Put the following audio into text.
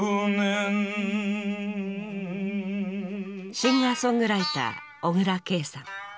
シンガーソングライター小椋佳さん。